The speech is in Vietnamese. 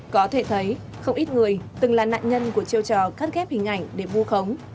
có thể thấy không ít người từng là nạn nhân của chiêu trò cắt ghép hình ảnh để vu khống